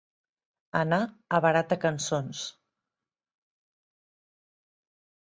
Anar a barata cançons.